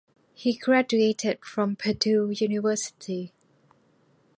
He graduated from Purdue University.